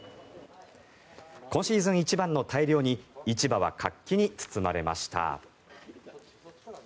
今シーズン一番の大漁に市場は活気に包まれました。